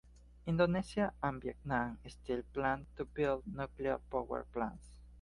Indonesia and Vietnam still plan to build nuclear power plants.